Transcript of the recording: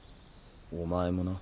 お前もな。